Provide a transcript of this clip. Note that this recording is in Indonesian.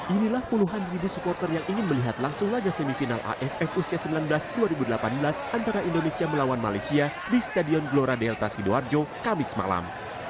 inilah puluhan ribu supporter yang ingin melihat langsung laga semifinal aff usia sembilan belas dua ribu delapan belas antara indonesia melawan malaysia di stadion glora delta sidoarjo kamis malam